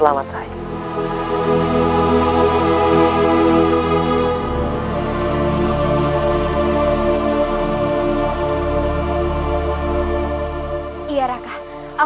kau pasti akan kembali di tangan lali